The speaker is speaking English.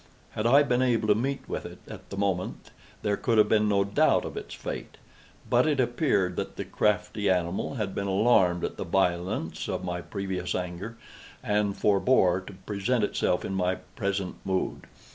Had I been able to meet with it, at the moment, there could have been no doubt of its fate; but it appeared that the crafty animal had been alarmed at the violence of my previous anger, and forebore to present itself in my present mood.